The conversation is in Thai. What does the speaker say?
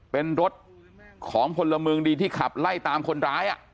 เป็นรถของพลเมืองดีที่ขับไล่ตามคนร้าย